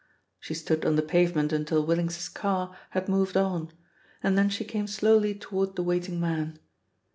She stood on the pavement until Willings's car had moved on, and then she came slowly toward the waiting man.